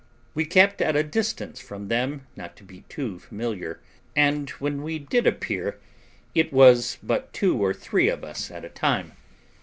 We kept at a distance from them, not to be too familiar; and when we did appear it was but two or three of us at a time.